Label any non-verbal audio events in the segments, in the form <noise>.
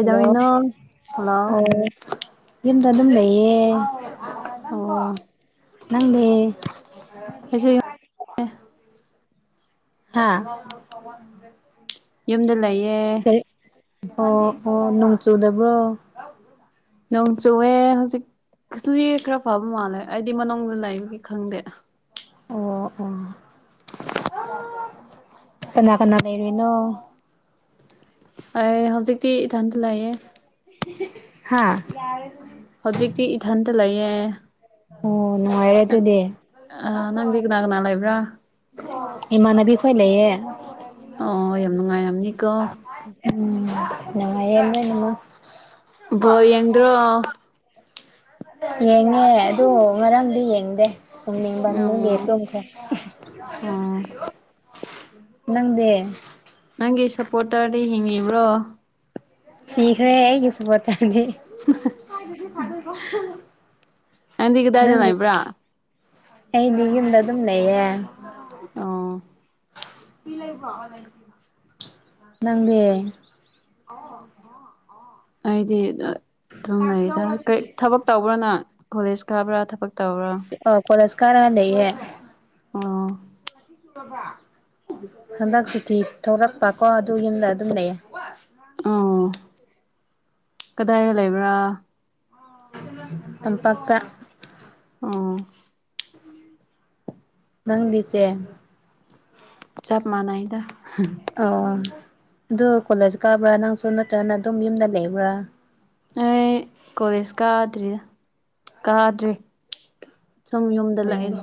hello ꯑ hello ꯌꯨꯝꯗ ꯑꯗꯨꯝ ꯂꯩꯌꯦ ꯑꯣ ꯅꯪꯗ ꯑ ꯍꯥ ꯌꯨꯝꯗ ꯂꯩꯌꯦ ꯑꯣ ꯑꯣ ꯅꯣꯡ ꯆꯨꯗꯕ꯭ꯔꯣ ꯅꯣꯡ ꯆꯨꯑꯦ ꯍꯧꯖꯤꯛ ꯀꯩꯁꯨ ꯈꯔ ꯐꯥꯕ ꯃꯥꯜꯂꯦ ꯑꯩꯗꯤ ꯃꯅꯨꯡꯗ ꯂꯩꯕꯒꯤ ꯈꯪꯗꯦ ꯑꯣ ꯑꯣ ꯀꯅꯥ ꯀꯅꯥ ꯂꯩꯔꯨꯅꯣ ꯑꯦ ꯍꯧꯖꯤꯛꯇꯤ ꯏꯊꯟꯇ ꯂꯥꯛꯑꯌꯦꯦ ꯍꯥꯥ ꯌꯥꯔꯦ ꯐ ꯍꯧꯖꯤꯛꯇꯤ ꯏꯊꯟꯇ ꯂꯩꯌꯦꯦ ꯑꯣ ꯅꯨꯡꯉꯥꯏꯔꯦ ꯑꯗꯨꯗꯤ ꯑ ꯅꯪꯗꯤ ꯀꯅꯥ ꯀꯅꯥ ꯂꯩꯕ꯭ꯔꯥ ꯏꯃꯥꯟꯅꯥꯕꯤ ꯈꯣꯏ ꯂꯩꯌꯦ ꯑꯣ ꯌꯥꯝ ꯅꯨꯡꯉꯥꯏꯔꯝꯅꯤꯀꯣ ꯎꯝ ꯅꯨꯡꯉꯥꯏ ꯌꯦ ꯕꯥꯜꯂ ꯌꯦꯡꯗꯔꯣ ꯌꯦꯡꯉꯦ ꯑꯗꯨ ꯉꯔꯥꯡꯗꯤ ꯌꯦꯡꯗꯦ ꯄꯨꯡꯅꯤꯡꯕꯗꯤ ꯎꯝ ꯇꯨꯝꯈ꯭ꯔꯦ ꯑꯣ ꯅꯪꯗꯦ ꯅꯪꯒꯤ ꯁꯞꯄꯣꯔꯇꯔꯗꯤ ꯍꯤꯡꯉꯤꯕ꯭ꯔꯣ ꯁꯤꯈꯔꯦ ꯑꯩꯒꯤ ꯁꯨꯞꯄꯣꯔꯇꯦꯔ ꯗꯤ ꯅꯪꯗꯤ ꯀꯥꯗꯥꯏꯗ ꯂꯩꯕꯔꯥ ꯑꯩꯗꯤ ꯌꯨꯝꯗ ꯑꯗꯨꯝ ꯂꯩꯌꯦ ꯑꯣ ꯅꯪꯗꯤ ꯑꯩꯗꯤ ꯑꯗꯨꯨꯝ ꯂꯩꯔꯤꯗ ꯀ ꯊꯕꯛ ꯇꯧꯕ꯭ꯔꯥ ꯅꯪ ꯀꯣꯂꯦꯖ ꯀꯥꯕ꯭ꯔꯥ ꯊꯕꯛ ꯇꯧꯕ꯭ꯔꯥ ꯑꯣ ꯀꯣꯂꯖ ꯀꯔꯥ ꯂꯩꯌꯦ ꯑꯣ ꯍꯟꯗꯛ ꯁꯨꯇꯤ ꯊꯣꯂꯛꯄ ꯀꯣ ꯑꯗꯨ ꯌꯨꯝꯗ ꯑꯗꯨꯝ ꯂꯩꯌꯦ ꯑꯣ ꯀꯗꯥꯏꯗ ꯂꯩꯕ꯭ꯔꯥ ꯇꯝꯄꯥꯛꯇ ꯑꯣ ꯅꯪꯗꯤ ꯆꯦ ꯆꯞ ꯃꯥꯟꯅꯩꯗ ꯑꯣ ꯑꯗꯨ ꯀꯣꯂꯦꯖ ꯀꯥꯕ꯭ꯔꯥ ꯅꯪꯁꯨ ꯅꯠꯇ꯭ꯔꯒ ꯑꯗꯨꯝ ꯌꯨꯝꯗ ꯂꯩꯕ꯭ꯔꯥ ꯑꯩ ꯀꯣꯂꯦꯖ ꯀꯥꯗ꯭ꯔꯤꯗ ꯀꯥꯗꯔꯤ ꯑꯣ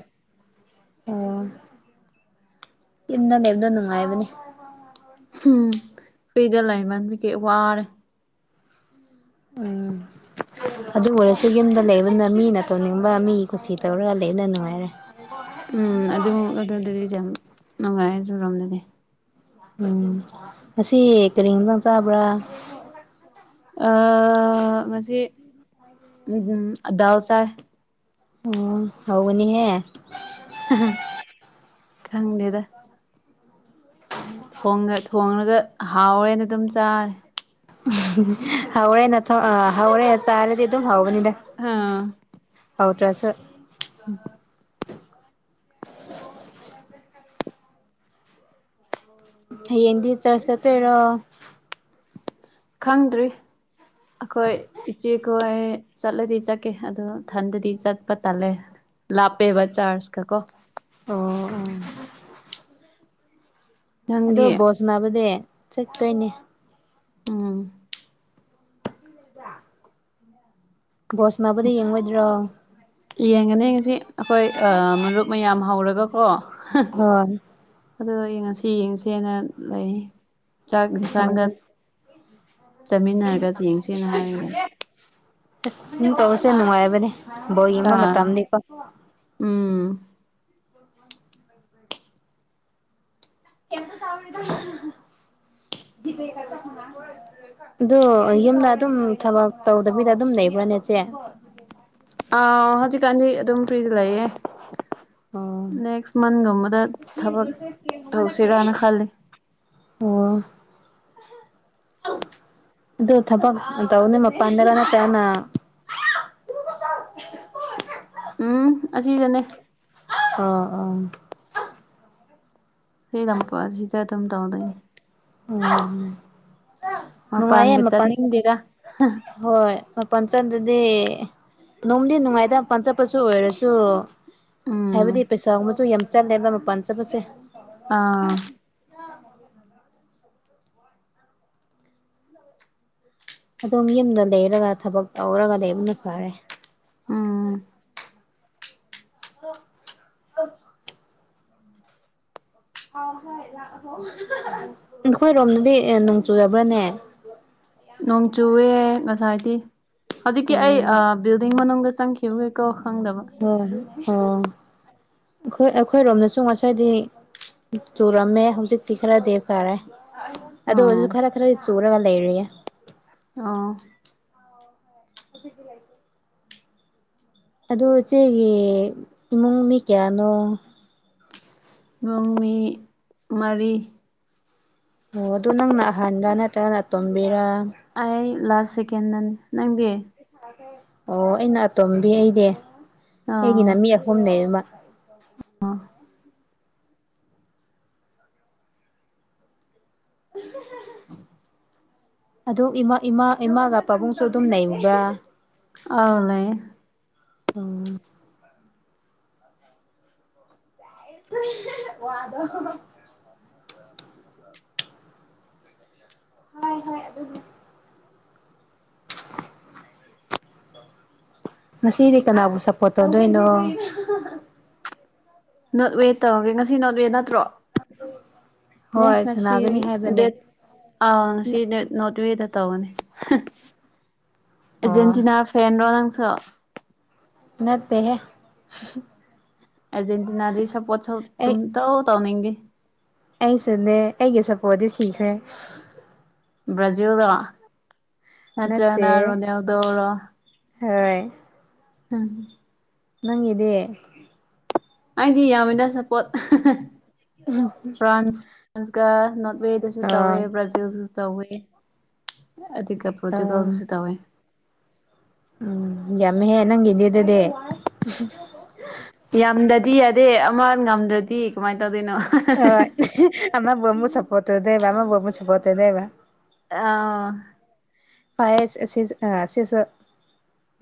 ꯑꯣ ꯌꯨꯝꯗ ꯂꯩꯕꯗꯣ ꯅꯨꯡꯉꯥꯏꯕꯅꯦ ꯎꯝ ꯐꯔꯤꯗ ꯂꯩꯃꯟꯕꯒꯤ ꯋꯥꯔꯦ ꯎꯝ ꯑꯗꯨ ꯑꯣꯏꯔꯁꯨ ꯌꯨꯝꯗ ꯂꯩꯕꯅ ꯃꯤꯅ ꯇꯧꯅꯤꯡꯕ ꯃꯤꯒꯤ ꯀꯨꯁꯤ ꯇꯧꯔꯒ ꯂꯩꯅ ꯅꯨꯡꯉꯥꯏꯔꯦ ꯎꯝ ꯑꯗꯨꯃ ꯑꯗꯨꯗꯗꯤ ꯌꯥꯝ ꯅꯨꯡꯉꯥꯏ ꯑꯗꯨꯔꯣꯝꯗꯗꯤ ꯎꯝ ꯉꯁꯤ ꯀꯔꯤ ꯍꯦꯟꯁꯥꯡ ꯆꯥꯕ꯭ꯔꯥ ꯉꯁꯤ ꯎꯝ ꯗꯥꯜ ꯆꯥꯏ ꯑꯣ ꯍꯥꯎꯕꯅꯤꯍꯦ ꯈꯪꯂꯦꯗ ꯊꯣꯡꯂꯒ ꯍꯥꯎꯔꯦꯅ ꯑꯗꯨꯝ ꯆꯥꯔꯦ ꯍꯧꯔꯦ ꯅꯊꯣ ꯑ ꯍꯧꯦ ꯆꯗꯤ ꯑꯗꯨꯝ ꯍꯥꯎꯒꯅꯤꯗ ꯍꯥꯎ ꯇ꯭ꯔꯁꯨ ꯎꯝ ꯍꯌꯦꯡꯗꯤ ꯆꯔꯁ ꯆꯠꯇꯣꯏꯔꯣ ꯈꯪꯗ꯭ꯔꯤ ꯑꯩꯈꯣꯏ ꯏꯆꯦꯈꯣꯏ ꯆꯠꯂꯗꯤ ꯆꯠꯀꯦ ꯑꯗꯨꯣ ꯊꯟꯗꯗꯤ ꯆꯠꯄ ꯇꯜꯂꯦ ꯂꯥꯞꯄꯦꯕ ꯆꯥꯔꯖꯀ ꯀꯣ ꯑꯣ ꯑꯗꯣ ꯅꯪꯗꯤ ꯕꯣꯖ ꯁꯥꯅꯕꯥꯗꯤ ꯆꯠꯇꯣꯏꯅꯦ ꯎꯝ ꯗ ꯕꯥꯜꯂ ꯁꯥꯅꯕꯥꯗꯤ ꯌꯦꯡꯉꯣꯏꯗ꯭ꯔꯣ ꯌꯦꯡꯒꯅꯤ ꯉꯁꯤ ꯑꯩꯈꯣꯏ ꯃꯔꯨꯞ ꯃꯌꯥꯝ ꯍꯧꯔꯒꯀꯣ ꯍꯣꯏ ꯑꯗꯨꯒꯤ ꯉꯁꯤ ꯌꯦꯡꯁꯦꯅ ꯂꯩ ꯆꯥꯛ ꯌꯦꯟꯁꯥꯡꯒ ꯍꯣꯏ ꯆꯥꯃꯤꯟꯅꯔꯒ ꯌꯦꯡꯁꯦꯅ ꯍꯥꯏꯔꯒ ꯂꯩ ꯑꯁ ꯏ ꯇꯧꯕꯁꯦ ꯌꯥꯝ ꯅꯨꯡꯉꯥꯏꯕꯅꯦ ꯕꯧ ꯌꯦꯡꯕ ꯑꯥ ꯃꯇꯝꯅꯤꯀꯣ ꯎꯝ ꯀ ꯆꯗꯤꯄ ꯁ ꯑꯗꯨ ꯌꯨꯝꯗ ꯑꯗꯨꯝ ꯊꯕꯛ ꯇꯧꯗꯕꯤꯗ ꯑꯗꯨꯝ ꯂꯩꯕ꯭ꯔꯥꯅꯦꯆꯦ ꯑ ꯍꯧꯖꯤꯛꯀꯥꯟꯗꯤ ꯑꯗꯨꯝ ꯐ꯭ꯔꯤꯗ ꯂꯩꯌꯦꯦ ꯑꯣ ꯅꯦꯛꯁ ꯃꯟꯒꯨꯝꯕꯗ ꯊꯕꯛ ꯇꯧꯁꯤꯔꯅ ꯈꯜꯂꯤ ꯑꯣ ꯑꯗꯨ ꯊꯕꯒꯅꯤꯄ ꯑꯗꯔꯅ ꯆꯅ ꯎꯝ ꯑꯁꯤꯗꯅꯦ ꯑꯥ ꯑꯥ ꯁꯤ ꯂꯝꯝꯄꯔꯁꯤꯗ ꯑꯗꯨꯝ ꯇꯧꯗꯅꯤ ꯃꯄꯥꯟꯒ ꯎꯝꯅꯨꯡꯉꯃꯄ ꯆꯠꯅꯤꯡꯗꯦꯗ ꯍꯣꯏ ꯃ ꯄ ꯆꯟꯗꯗꯤ ꯅꯣꯡꯃꯗꯤ ꯅꯨꯡꯉꯥꯏꯇ ꯄꯟ ꯆꯠꯄꯁꯨ ꯑꯣꯏꯔꯁꯨ ꯎꯝ ꯍꯥꯏꯕꯗꯤ ꯄꯩꯁꯥꯒꯨꯝꯕꯁꯨ ꯌꯥꯝ ꯆꯠꯂꯦꯕ ꯃꯄꯥꯟ ꯆꯠꯄꯁꯦ ꯑꯥ ꯑ ꯑꯗꯨꯝ ꯌꯨꯝꯗ ꯂꯩꯔꯒ ꯊꯕꯛ ꯇꯧꯔꯒ ꯂꯩꯕꯅ ꯐꯔꯦ ꯎꯝ ꯍꯥ <unintelligible> ꯅꯥꯈꯣꯏ ꯔꯣꯝꯗꯗꯤ ꯅꯣꯡ ꯆꯨꯗꯥꯕ꯭ꯔꯥꯅꯦ ꯅꯣꯡ ꯆꯨꯑꯦ ꯉꯁꯥꯏꯗꯤ ꯍꯧꯖꯤꯛꯀꯤ ꯑꯣ ꯑꯩ ꯕꯤꯜꯗꯤꯡ ꯃꯅꯨꯡꯗ ꯆꯪꯈꯤꯕꯥꯒꯤ ꯀꯣ ꯈꯪꯗꯕ ꯍꯣꯏ ꯑꯣ ꯑꯩꯈꯣꯏ ꯑꯩꯈꯣꯏꯔꯣꯝꯗꯁꯨ ꯉꯁꯥꯏꯗꯤ ꯆꯨꯔꯝꯃꯦ ꯍꯧꯖꯤꯛꯇꯤ ꯈ꯭ꯔꯗꯤ ꯐꯥꯔꯦ ꯑꯗꯨ ꯑꯥ ꯑꯣꯏꯖꯨ ꯈꯔ ꯈꯔꯗꯤ ꯆꯨꯔꯥꯒ ꯂꯩꯔꯤꯌꯦ ꯑ ꯍꯧꯖꯤ ꯀ ꯂꯩꯥꯏ ꯑꯣ ꯏꯆꯦꯒꯤ ꯏꯃꯨꯡ ꯃꯤ ꯀꯌꯥꯅꯣ ꯨꯡꯃꯤ ꯃꯔꯤ ꯑꯣ ꯑꯗꯨꯗꯣ ꯅꯪꯅ ꯑꯍꯥꯟꯕꯗ ꯅꯠꯇ꯭ꯔꯒꯅ ꯇꯣꯝꯕꯤꯔ ꯑꯩ ꯂꯥꯁ ꯁꯦꯀꯦꯟꯗꯅꯤ ꯅꯪꯒꯤ ꯑꯣ ꯑꯩꯅ ꯑꯥꯇꯣꯝꯕꯤ ꯑꯩꯗꯤ ꯑꯥ ꯑꯩꯒꯤꯅ ꯃꯤ ꯑꯍꯨꯝ ꯂꯩꯌꯦꯕꯥ ꯑꯥ <inaudible> <unintelligible> ꯑꯗꯨ ꯏꯃꯥ ꯏꯃꯥ ꯏꯃꯥꯒ ꯄꯥꯕꯨꯡꯁꯨ ꯑꯗꯨꯝ ꯂꯩꯕ꯭ꯔꯥ ꯑꯧ ꯂꯩꯌꯦ ꯑꯝ <unintelligible> ꯋꯥꯗꯣ ꯍꯣꯏ ꯍꯣꯏ ꯑꯗꯨꯕꯨ ꯉꯥꯁꯤꯗꯤ ꯀꯅꯥꯕꯨ ꯁꯞꯄꯣꯔꯠ ꯇꯧꯗꯣꯏꯅꯣ <unintelligible> ꯅꯣꯠꯋꯦ ꯇꯧꯔꯥꯒꯦ ꯉꯁꯤ ꯅꯣꯠꯋꯦ ꯅꯠꯇ꯭ꯔꯣ ꯌꯦ ꯍꯣꯏ ꯉꯥꯁꯤ ꯁꯥꯟꯅꯒꯅꯤ ꯍꯥꯏꯕꯅꯦ ꯗꯦꯠ ꯑꯧ ꯉꯥꯁꯤ ꯅꯣꯔꯠꯋꯦꯗꯥ ꯇꯧꯒꯥꯅꯤ ꯑꯣ ꯑꯥꯖꯦꯟꯇꯤꯅꯥ ꯐꯦꯟꯔꯣ ꯅꯪꯁꯨ ꯅꯠꯇꯦ ꯍꯦ ꯑꯥꯔꯖꯦꯟꯇꯤꯅꯥꯗꯤ ꯁꯞꯄꯣꯔꯠ ꯑꯩ ꯁꯨꯝꯇꯧ ꯇꯧꯅꯤꯡꯗꯦ ꯑꯩꯁꯨꯅꯦ ꯑꯩꯒꯤ ꯁꯞꯄꯣꯔꯠꯇꯤ ꯁꯤꯈ꯭ꯔꯦ ꯕ꯭ꯔꯥꯖꯤꯜꯂꯣ ꯅꯠꯇ꯭ꯔꯒꯥꯅ ꯅꯠꯇꯦ ꯔꯣꯅꯦꯜꯗꯣꯔꯣ ꯍꯣꯏ ꯎꯝ ꯅꯪꯒꯤꯗꯤ ꯑꯩꯗꯤ ꯌꯥꯝꯃꯤꯗꯥ ꯁꯞꯄꯣꯔꯠ ꯐ꯭ꯔꯥꯟꯁ ꯐ꯭ꯔꯥꯟꯁꯀꯥ ꯋꯦꯗꯥꯁꯨ ꯑ ꯇꯧꯋꯦ ꯕ꯭ꯔꯥꯖꯤꯜꯗꯁꯨ ꯇꯧꯋꯦ ꯑꯗꯨꯒꯥ ꯑ ꯄꯣꯔꯇꯨꯒꯜꯗꯥꯁꯨ ꯇꯧꯋꯦ ꯎꯝ ꯌꯥꯝꯃꯦꯍꯦ ꯅꯪꯒꯤꯗꯤ ꯑꯗꯨꯗꯤ ꯌꯥꯝꯗ꯭ꯔꯥꯗꯤ ꯌꯥꯗꯦ ꯑꯃ ꯉꯝꯗ꯭ꯔꯥꯗꯤ ꯀꯃꯥꯏ ꯇꯧꯗꯣꯏꯅꯣ ꯍꯣꯏ ꯑꯃꯥꯕꯨ ꯑꯃꯨꯛ ꯁꯞꯄꯣꯔꯠ ꯇꯧꯗꯣꯏꯕꯥ ꯑꯃꯥꯕꯨ ꯑꯃꯨꯛ ꯁꯞꯄꯣꯔꯠ ꯇꯧꯗꯣꯏꯕ ꯑꯥ <unintelligible> ꯄꯌꯦꯁ ꯑꯁꯤ ꯁꯤꯁꯨ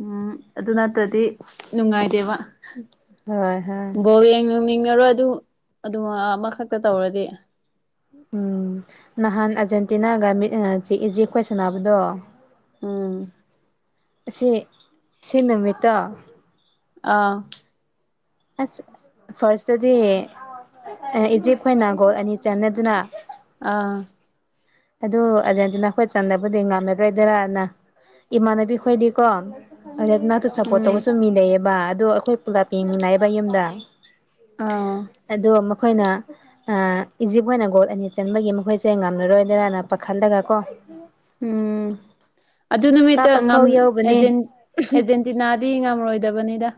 ꯎꯝ ꯑꯗꯨ ꯅꯠꯇ꯭ꯔꯗꯤ ꯅꯨꯡꯉꯥꯏꯇꯦꯕꯥ ꯍꯣꯏ ꯍꯣꯏ ꯕꯣꯜ ꯌꯦꯡꯅꯤꯡꯉꯥꯔꯣꯏ ꯑꯗꯨꯝ ꯑꯗꯨꯃꯥꯏ ꯑꯃꯥꯈꯛꯇ ꯇꯧꯔꯗꯤ ꯎꯝ ꯅꯍꯥꯟ ꯑꯥꯔꯖꯦꯟꯇꯤꯅꯥꯒ ꯃꯤꯠ ꯏ ꯖꯦ ꯏꯖꯤꯞ ꯍꯣꯏꯒꯥ ꯁꯥꯟꯅꯕꯥꯗꯣ ꯎꯝ <unintelligible> ꯑꯁꯤ ꯁꯤ ꯅꯨꯃꯤꯠꯇꯣ ꯑꯥ <unintelligible> ꯑꯁ ꯐꯥꯔꯁꯇꯥꯗꯤ ꯏꯖꯤꯞ ꯍꯣꯏꯅ ꯒꯣꯜ ꯑꯅꯤ ꯆꯜꯂꯦꯗꯥꯅ ꯑꯥ <unintelligible> ꯑꯗꯨ ꯑꯥꯔꯖꯦꯟꯇꯤꯅꯥ ꯍꯣꯏ ꯆꯟꯅꯕꯥꯗꯤ ꯉꯝꯂꯥꯔꯣꯏꯗ꯭ꯔꯥꯅ ꯏꯃꯥꯟꯅꯕꯤ ꯈꯣꯏꯗꯤꯀꯣ ꯑꯗꯥ ꯅꯥꯛꯇ ꯁꯞꯄꯣꯔꯠ ꯎꯝ ꯇꯧꯕꯥꯁꯨ ꯃꯤ ꯂꯩꯩꯌꯦꯕꯥ ꯑꯗꯣ ꯑꯩꯈꯣꯏ ꯄꯨꯂꯞ ꯌꯦꯡꯃꯤꯟꯅꯩꯕ ꯌꯨꯝꯗꯥ ꯑꯥꯎ ꯑꯗꯣ ꯑꯃꯛ ꯃꯈꯣꯏꯅ ꯏꯖꯤꯞ ꯑꯣꯏꯅ ꯒꯣꯜ ꯑꯅꯤ ꯆꯟꯕꯒꯤ ꯃꯈꯣꯏꯁꯦ ꯉꯝꯂꯔꯣꯏ ꯅ ꯑꯄꯥ ꯈꯟꯗꯒ ꯀꯣ ꯎꯝ ꯑꯗꯨ ꯅꯨꯃꯤꯠꯇ ꯀꯥꯞꯄ ꯉ ꯐꯥꯎ ꯌꯧꯕꯅꯦ ꯑꯦꯖꯦꯟ ꯑꯦ ꯗꯤꯅꯥꯗꯤ ꯉꯝꯔꯣꯏꯗꯕꯅꯤꯗ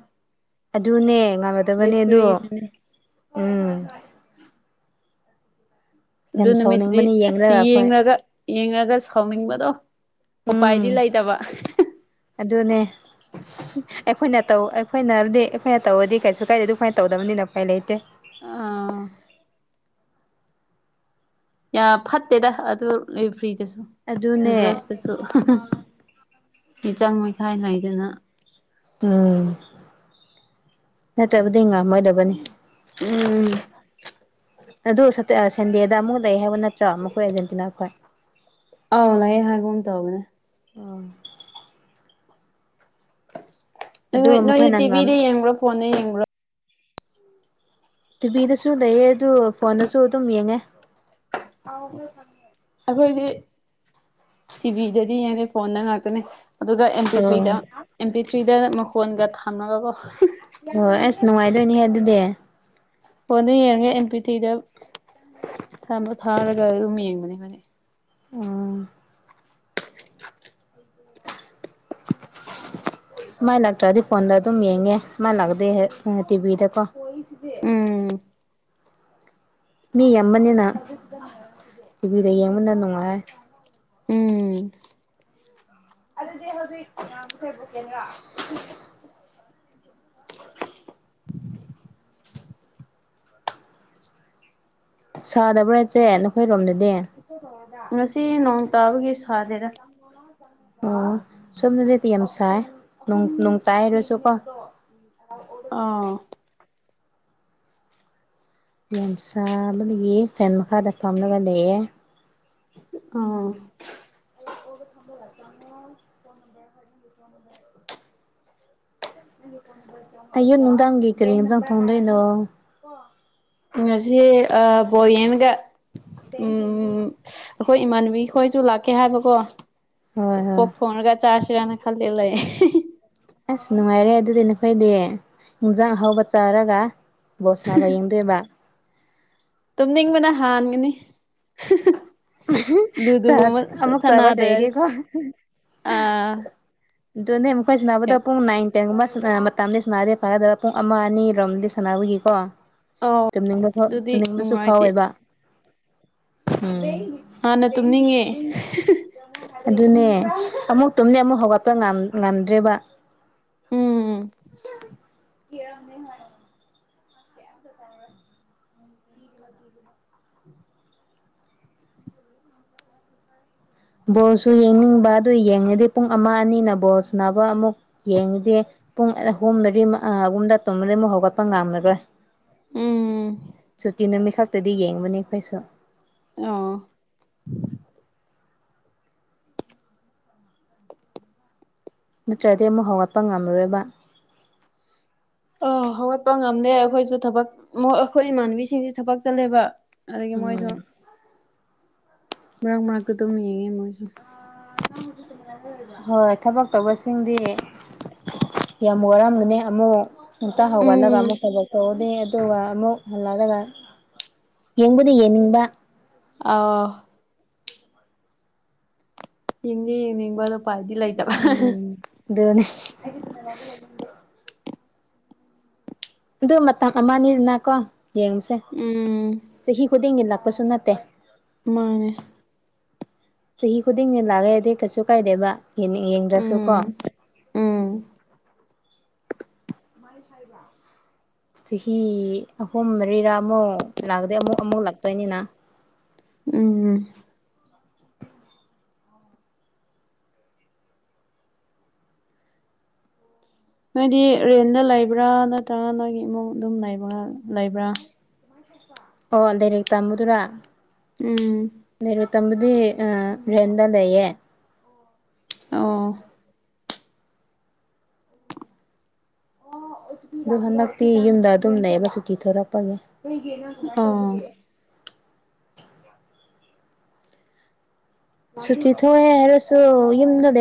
ꯑꯗꯨꯅꯦ ꯉꯝꯃꯗꯕꯅꯦ ꯑꯗꯨ ꯂꯦꯐꯔꯤꯗꯨꯅꯤ ꯎꯝ <inaudible> ꯑꯗꯨ ꯌꯥꯝ ꯅꯨꯃꯤꯠꯇꯨꯗꯤ ꯁꯥꯎꯅꯤꯡꯕꯅꯤ ꯑꯁ ꯌꯦꯡꯂꯒ ꯑꯩꯈꯣꯏ ꯌꯦꯡꯉꯥꯒ-ꯌꯦꯡꯉꯥꯒ ꯁꯥꯎꯅꯤꯡꯕꯥꯗꯣ ꯎꯝ ꯎꯄꯥꯏꯗꯤ ꯂꯩꯇꯥꯕ ꯑꯗꯨꯅꯦ ꯑꯩꯈꯣꯏꯅ ꯇꯧ ꯑꯩꯈꯣꯏꯅ ꯍꯥꯏꯕꯗꯤ ꯑꯩꯈꯣꯏꯅ ꯇꯧꯔꯥꯗꯤ ꯀꯩꯁꯨ ꯀꯥꯏꯗꯦ ꯑꯗꯨ ꯑꯩꯈꯣꯏꯅ ꯇꯧꯗꯥꯕꯅꯤꯅ ꯎꯄꯥꯏ ꯂꯩꯇꯦ ꯑꯥ <unintelligible> ꯌꯥ ꯐꯠꯇꯦꯗꯥ ꯑꯗꯨ ꯔꯦꯐ꯭ꯔꯤꯗꯨꯁꯨ ꯑꯗꯨꯅꯦ ꯖꯁꯇꯨꯁꯨ ꯁꯨ ꯄ ꯆꯪ ꯃꯈꯈꯥꯏ ꯂꯩꯗꯅ ꯎꯝ ꯅꯠꯇ꯭ꯔꯕꯗꯤ ꯉꯝꯃꯣꯏꯗꯕꯅꯤ ꯎꯝ ꯑꯗꯨ ꯁꯟꯗꯦꯗ ꯑꯃꯨꯛ ꯂꯩ ꯍꯥꯏꯕ ꯅꯠꯇ꯭ꯔꯣ ꯃꯈꯣꯏ ꯑꯔꯖꯦꯟꯇꯤꯅꯥ ꯈ꯭ꯣꯏ ꯑꯧ ꯂꯥꯛꯌꯦꯡ ꯍꯥꯏꯥꯡꯕ ꯑꯃ ꯇꯧꯕꯅꯦ ꯑꯝ ꯑꯗꯨ ꯅꯣꯏꯗꯤ ꯃꯈꯣꯏꯅ ꯉꯝ ꯇꯤꯚꯤꯗ ꯌꯦꯡꯕ꯭ꯔꯣ ꯐꯣꯟꯗ ꯌꯦꯡꯕ꯭ꯔꯣ ꯇꯤꯚꯤꯗꯁꯨ ꯂꯩꯌꯦ ꯑꯗꯨ ꯐꯣꯟꯗꯁꯨ ꯑꯗꯨꯝ ꯌꯦꯡꯉꯦ <unintelligible> ꯑꯩꯈꯣꯏꯗꯤ ꯇꯤꯚꯤꯗꯗꯤ ꯌꯦꯡꯗꯧ ꯐꯣꯟꯗ ꯉꯥꯛꯇꯅꯦ ꯑꯗꯨꯒ ꯑꯦꯝ ꯄꯤ ꯑꯣ ꯊ꯭ꯔꯤꯗ ꯑꯦꯝ ꯄꯤ ꯊ꯭ꯔꯤꯗ ꯃꯈꯣꯟꯒ ꯊꯝꯃꯒꯀꯣ ꯍꯣꯏꯣꯏ ꯑꯁ ꯅꯨꯡꯉꯥꯏꯗꯣꯏꯅꯦꯍꯦ ꯑꯗꯨꯗꯤ ꯐꯣꯟꯗ ꯌꯦꯡꯉꯒꯦ ꯑꯦꯝ ꯄꯤ ꯇꯤꯗ ꯊꯥꯔꯒ ꯑꯗꯨꯝ ꯌꯦꯡꯕꯅꯦ ꯐꯅꯤ ꯎꯥ ꯃꯥꯏ ꯂꯥꯛꯇ꯭ꯔꯗꯤ ꯐꯣꯟꯗ ꯑꯗꯨꯝ ꯌꯦꯡꯉꯦ ꯃꯥꯏ ꯂꯥꯛꯗꯦ ꯇꯤꯚꯤꯗꯀꯣ ꯎꯝ ꯃꯤ ꯌꯥꯝꯕꯅꯤꯅ ꯇꯤꯚꯤꯗ ꯌꯦꯡꯕꯅ ꯅꯨꯡꯉꯥꯏ ꯎꯝ ꯑꯗꯨꯗꯤ ꯍꯧꯖꯤꯛ ꯉꯥꯡꯕꯁꯦ <unintelligible> ꯁꯥꯗꯕ꯭ꯔꯥ ꯏꯆꯦ ꯅꯈꯣꯏꯔꯣꯝꯗꯗꯤ <unintelligible> ꯉꯁꯤ ꯅꯣꯡ ꯇꯥꯕꯒꯤ ꯁꯥꯗꯦꯗ ꯑꯣ ꯁꯣꯝꯗꯗꯤ ꯌꯥꯝ ꯁꯥꯏꯌꯦ ꯅꯣꯡ ꯇꯥꯏ ꯍꯥꯏꯔꯁꯨꯀꯣ ꯑꯥ ꯌꯥꯝ ꯆꯥꯕꯗꯒꯤ ꯐꯦꯟ ꯃꯈꯥꯗ ꯐꯝꯂꯒ ꯂꯩꯌꯦ ꯑꯥ ꯑꯌꯨꯛ ꯅꯨꯡꯗꯥꯡꯒꯤꯩ ꯀꯔꯤ ꯍꯦꯟꯖꯥꯡ ꯊꯣꯡꯗꯣꯏꯅꯣ ꯉꯁꯤ ꯑ ꯕꯣꯔꯤ ꯑꯃꯒ ꯎꯝ ꯑꯩꯈꯣꯏ ꯏꯃꯥꯟꯅꯕꯤ ꯈꯣꯏꯁꯨ ꯂꯥꯛꯀꯦ ꯍꯥꯏꯕꯀꯣ ꯍꯣꯏ ꯍꯣꯏ ꯄꯣꯛ ꯊꯣꯡꯉꯒ ꯆꯥꯁꯤꯔꯅ ꯈꯟꯂ ꯂꯩꯌꯦ ꯑꯁ ꯅꯨꯡꯉꯥꯏꯔꯦ ꯑꯗꯨꯗꯤ ꯅꯈꯣꯏꯗꯤ ꯏꯟꯖꯥꯡ ꯑꯍꯥꯎꯕ ꯆꯥꯔꯒ ꯕꯣꯜ ꯁꯥꯅꯥꯕ ꯌꯦꯡꯗꯣꯏꯕ ꯇꯨꯝꯅꯤꯡꯕꯅ ꯍꯥꯟꯒꯅꯤ <unintelligible> ꯆꯥ ꯂꯨꯗꯨꯒꯨꯝꯕ ꯑꯃꯨꯛ ꯆꯥꯕ ꯁꯥꯅꯥꯗ꯭ꯔꯗꯤ ꯂꯣꯏꯔꯗꯤꯀꯣ ꯑ ꯑꯗꯨꯅꯦ ꯃꯈꯣꯏ ꯁꯥꯅꯅ꯫ꯕꯗꯣ ꯄꯨꯡ ꯅꯥꯏꯟ ꯇꯦꯡꯒꯨꯝꯕ ꯃꯇꯝꯗꯤ ꯁꯥꯟꯅꯔꯦ ꯐꯥꯒꯗꯕ ꯄꯨꯡ ꯑꯃ ꯑꯅꯤꯔꯣꯝꯗꯤ ꯁꯥꯟꯅꯕꯒꯤꯀꯣ ꯑꯧ ꯇꯨꯝꯅꯤꯡꯕ ꯑꯗꯨꯗꯤ ꯇꯨꯝꯅꯤꯡꯕꯁꯨ ꯅꯨꯡꯉꯥꯏꯇꯦ ꯐꯥꯎꯋꯦꯕ <unintelligible> ꯍꯥꯟꯅ ꯇꯨꯝꯅꯤꯡꯉꯦ ꯑꯗꯨꯅꯦ ꯑꯃꯨꯛ ꯇꯨꯝꯅꯦ ꯑꯃꯨꯛ ꯍꯧꯒꯠꯄ ꯉꯝꯗ꯭ꯔꯦꯕ ꯎꯝ <unintelligible> ꯕꯣꯜꯁꯨ ꯌꯦꯡꯅꯤꯡꯕ ꯑꯗꯨ ꯌꯦꯡꯉꯗꯤ ꯄꯨꯡ ꯑꯃ ꯑꯅꯤꯅ ꯕꯣꯜ ꯁꯥꯅꯕ ꯑꯃꯨꯛ ꯌꯦꯡꯉꯗꯤ ꯄꯨꯡ ꯑꯍꯨꯝ ꯃꯔꯤ ꯑꯍꯨꯝꯗ ꯇꯨꯝꯃꯗꯤ ꯑꯃꯨꯛ ꯍꯧꯒꯠꯄ ꯉꯝꯃꯔꯣꯏ ꯎꯝ ꯁꯨꯇꯤ ꯅꯨꯃꯤꯠꯈꯛꯇꯗꯤ ꯌꯦꯡꯕꯅꯤ ꯑꯩꯈꯣꯏꯁꯨ ꯑꯣ ꯅꯠꯇ꯭ꯔꯗꯤ ꯑꯃꯨꯛ ꯍꯧꯒꯠꯄ ꯉꯝꯃꯔꯣꯏꯕ ꯑ ꯍꯧꯒꯠꯄ ꯉꯝꯗꯦ ꯑꯩꯈꯣꯏꯁꯨ ꯊꯕꯛ ꯑꯩꯈꯣꯏ ꯏꯃꯥꯟꯅꯕꯤꯁꯤꯡꯁꯨ ꯊꯕꯛ ꯆꯠꯂꯦꯕ ꯑꯗꯨꯒꯤ ꯃꯣꯏꯁꯨ ꯎꯝ ꯃꯔꯛ ꯃꯔꯛꯇ ꯇꯨꯝꯅ ꯌꯦꯡꯉꯦ ꯃꯣꯏꯁꯨ <unintelligible> ꯍꯣꯏ ꯊꯕꯛ ꯇꯧꯕꯁꯤꯡꯗꯤ ꯌꯥꯝ ꯋꯥꯔꯝꯒꯅꯦ ꯑꯃꯨꯛ ꯉꯟꯇ ꯍꯧꯒꯠꯂꯒ ꯎꯝ ꯑꯃꯨꯛ ꯊꯕꯛ ꯇꯧꯔꯗꯤ ꯑꯗꯨꯒ ꯑꯃꯨꯛ ꯍꯟꯂꯛꯂꯒ ꯌꯦꯡꯕꯨꯗꯤ ꯌꯦꯡꯅꯤꯡꯕ ꯑꯣ ꯌꯦꯡꯗꯤ ꯌꯦꯡꯅꯤꯡꯕ ꯑꯗꯨ ꯎꯄꯥꯏꯗꯤ ꯂꯩ ꯎꯝꯗꯣꯅꯤ ꯑꯗꯨ ꯃꯇꯝ ꯑꯃꯅꯤꯗꯨꯅ ꯀꯣ ꯌꯦꯡꯉꯨꯁꯦ ꯎꯝ ꯆꯍꯤ ꯈꯨꯗꯤꯡꯒꯤ ꯂꯛꯄꯁꯨ ꯅꯠꯇꯦ ꯃꯅꯦ ꯆꯍꯤ ꯈꯨꯗꯤꯡꯅꯦ ꯂꯥꯛꯑ ꯑꯗꯤꯩ ꯀꯩꯁꯨ ꯀꯥꯏꯗꯦꯕ ꯌꯦꯡꯗ꯭ꯔꯁꯨ ꯀꯣ ꯎꯝ ꯎꯝ ꯍꯥꯏꯕ ꯆꯍꯤ ꯑꯍꯨꯝ ꯃꯔꯤꯔꯥ ꯑꯃꯨꯛ ꯂꯥꯛꯑꯗꯤ ꯑꯃꯨꯛ ꯑꯃꯨꯛ ꯂꯥꯛꯇꯣꯏꯅꯤꯅ ꯎꯝ ꯎꯝ ꯅꯣꯏꯗꯤ ꯔꯦꯟꯗ ꯂꯩꯕ꯭ꯔꯥ ꯅꯠꯇ꯭ꯔꯒ ꯅꯪꯒꯤ ꯏꯃꯨꯡ ꯑꯗꯨꯝ ꯂꯩꯕꯒ ꯂꯩꯕ꯭ꯔꯥ ꯑꯣ ꯗꯥꯏꯔꯦꯛ ꯇꯝꯕꯗꯨꯨꯔꯥ ꯎꯝ <unintelligible> ꯇꯝꯕꯗꯤ ꯔꯦꯟꯗ ꯂꯩꯌꯦ ꯑꯣ <unintelligible> ꯑꯗꯨ ꯍꯟꯗꯛꯇꯤ ꯌꯨꯝꯗ ꯑꯗꯨꯝ ꯂꯩꯕ ꯁꯨꯇꯤ ꯊꯣꯔꯛꯄꯒꯤ <unintelligible> ꯀꯃꯥꯏꯅ ꯑꯣ ꯇꯧꯕꯒꯤ ꯁꯨꯇꯤ ꯊꯣꯛꯋꯦ ꯍꯥꯏꯔꯁꯨꯣ ꯌꯨꯝꯗ ꯂꯩ